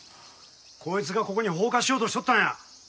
こいつがここに放火しようとしとったんや！